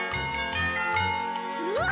うわ！